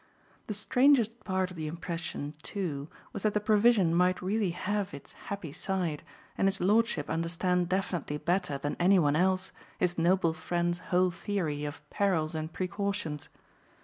The strangest part of the impression too was that the provision might really have its happy side and his lordship understand definitely better than any one else his noble friend's whole theory of perils and precautions.